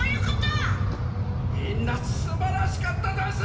みんなすばらしかったざんす。